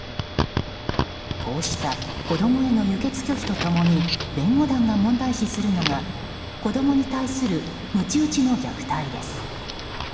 こうした子供への輸血拒否と共に弁護団が問題視するのは子供に対するむち打ちの虐待です。